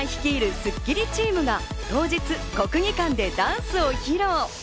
スッキリチームが当日、国技館でダンスを披露。